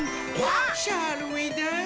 シャルウィダンス？